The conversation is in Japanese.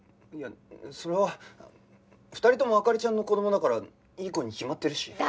いやそれは２人とも灯ちゃんの子供だからいい子に決まってるし。